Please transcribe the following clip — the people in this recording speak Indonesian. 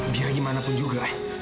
biar bagaimanapun juga